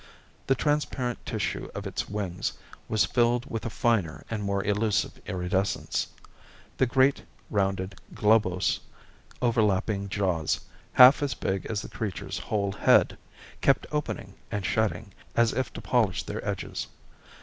The transparent tissue of its wings was filled with a finer and more elusive iridescence. The great rounded, globose, overlapping jaws, half as big as the creature's whole head, kept opening and shutting, as if to polish their edges.